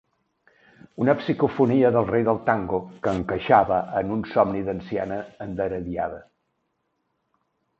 Una psicofonia del rei del tango que encaixava en un somni d'anciana enderiada.